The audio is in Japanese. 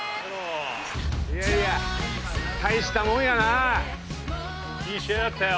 いやいや大したもんやないい試合だったよ